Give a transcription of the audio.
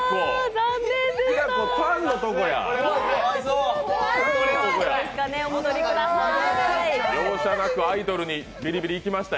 残念でした。